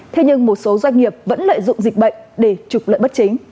thế nhưng một số doanh nghiệp vẫn lợi dụng dịch bệnh để trục lợi bất chính